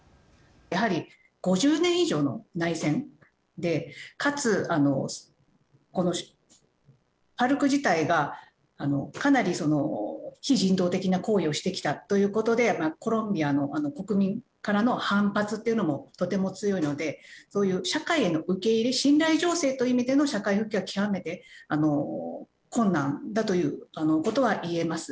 やはり、５０年以上の内戦でかつ、このＦＡＲＣ自体がかなりその非人道的な行為をしてきたということでコロンビアの国民からの反発というのもとても強いのでそういう社会への受け入れ信頼醸成という意味での社会復帰は極めて困難だということは言えます。